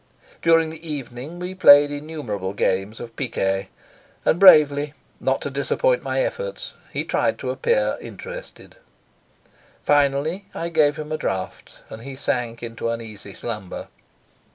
During the evening we played innumerable games of piquet, and bravely, not to disappoint my efforts, he tried to appear interested. Finally I gave him a draught, and he sank into uneasy slumber.